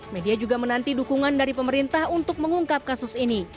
media juga menanti dukungan dari pemerintah untuk mengungkap kasus ini